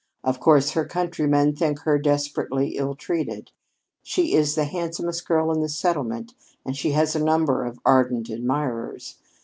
Of course her countrymen think her desperately ill treated. She is the handsomest girl in the settlement, and she has a number of ardent admirers.